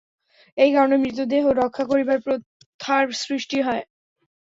এই কারণে মৃতদেহ রক্ষা করিবার প্রথার সৃষ্টি হয়।